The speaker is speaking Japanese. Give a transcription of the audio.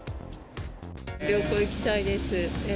旅行行きたいです。